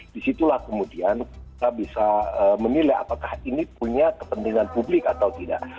disitulah kemudian kita bisa menilai apakah ini punya kepentingan publik atau tidak